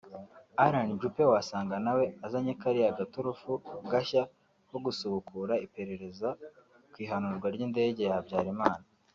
Alain Juppe wasanga nawe uzanye kariya gaturufu gashya ko gusubukura iperereza kw’ihanurwa ry’indenge ya Habyarimana